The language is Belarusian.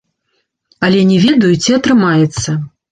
Але не ведаю, ці атрымаецца.